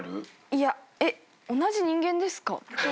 いやえっ同じ人間ですか？